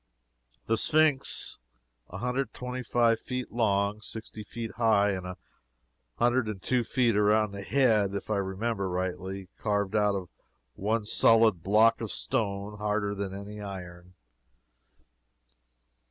The Sphynx: a hundred and twenty five feet long, sixty feet high, and a hundred and two feet around the head, if I remember rightly carved out of one solid block of stone harder than any iron.